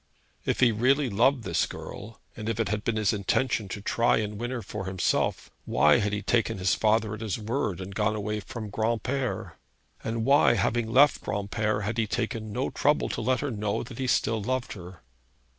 If he really loved this girl, and if it had been his intention to try and win her for himself, why had he taken his father at his word and gone away from Granpere? And why, having left Granpere, had he taken no trouble to let her know that he still loved her?